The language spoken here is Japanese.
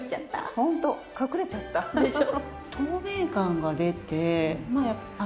ホント隠れちゃった。でしょ？